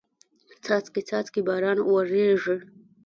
څاڅکي څاڅکي باران وریږي